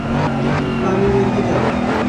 বারে রেখে যাও।